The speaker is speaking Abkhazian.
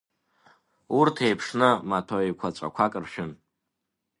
Урҭ еиԥшны, маҭәа еиқәаҵәақәак ршәын.